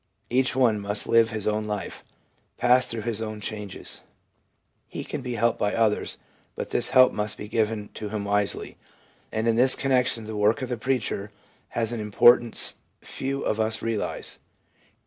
Each one must live his own life, pass through his own changes. He can be helped by others, but this help must be given to him wisely; and in this connec tion the work of the preacher has an importance few of us realise.